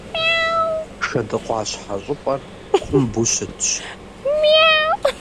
Шэдыкъуащхьэ щӏыпӏэр кумбу щытщ.